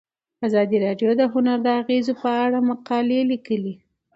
ازادي راډیو د هنر د اغیزو په اړه مقالو لیکلي.